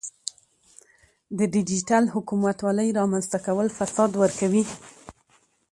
د ډیجیټل حکومتولۍ رامنځته کول فساد ورکوي.